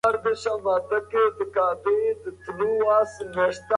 کمپيوټر پوهنه د ډېرو معلوماتو د تحلیل توان لري.